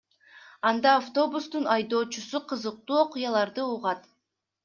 Анда автобустун айдоочусу кызыктуу окуяларды угат.